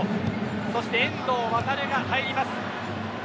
そして遠藤航が入ります。